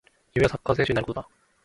夢はサッカー選手になることだ